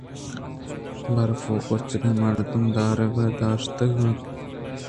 برف ءُ چِلگءَ مردم درآہگ ءَ داشتگ اِت اَنت